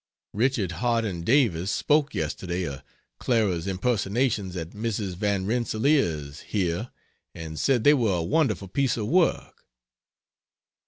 Richard Harding Davis spoke yesterday of Clara's impersonations at Mrs. Van Rensselaer's here and said they were a wonderful piece of work.